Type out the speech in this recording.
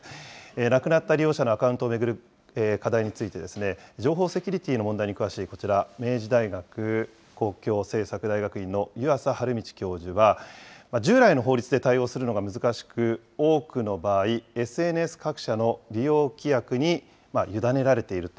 亡くなった利用者のアカウントを巡る課題について、情報セキュリティーの問題に詳しいこちら、明治大学公共政策大学院の湯淺墾道教授は、従来の法律で対応するのが難しく、多くの場合、ＳＮＳ各社の利用規約に委ねられていると。